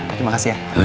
terima kasih ya